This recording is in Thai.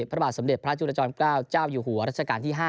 พระบาทสมเด็จพระจุลจอมเกล้าเจ้าอยู่หัวรัชกาลที่๕